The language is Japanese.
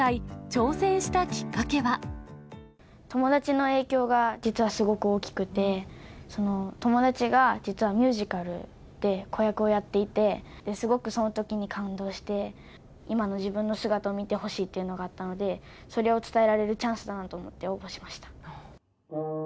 友達の影響が実はすごく大きくて、友達が実はミュージカルで子役をやっていて、すごくそのときに感動して、今の自分の姿を見てほしいというのがあったので、それを伝えられるチャンスだなと思って応募しました。